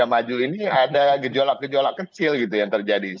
yang maju ini ada gejolak gejolak kecil gitu yang terjadi